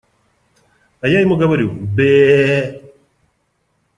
А я ему говорю: «Бэ-э!»